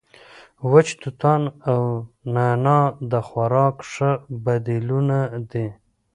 وچ توتان او نعناع د خوراک ښه بدیلونه دي.